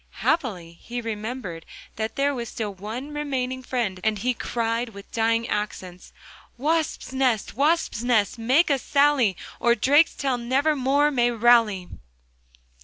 Happily, he remembered that there was still one remaining friend, and he cried with dying accents: 'Wasp's nest, Wasp's nest, make a sally, Or Drakestail nevermore may rally.